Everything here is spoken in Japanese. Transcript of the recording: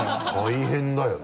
大変だよね